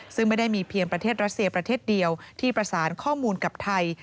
ซึ่งไม่ได้มีเพียงประเทศรัสเซียประเทศเดียวที่ประสานข้อมูลกับไทย